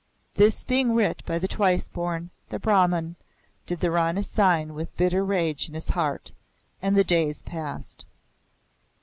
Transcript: This being writ by the Twice Born, the Brahman, did the Rana sign with bitter rage in his heart. And the days passed.